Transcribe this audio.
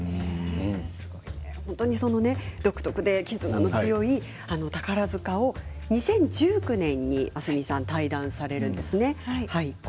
独特で絆の強い宝塚を２０１９年に明日海さんは退団されるんですね。